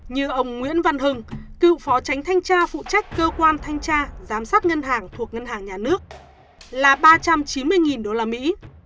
như ông nguyễn văn hưng cựu phó tránh thanh tra phụ trách cơ quan thanh tra giám sát ngân hàng thuộc ngân hàng nhà nước là ba trăm chín mươi đô la mỹ